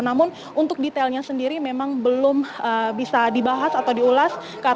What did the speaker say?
namun untuk detailnya sendiri memang belum bisa dibahas atau diulas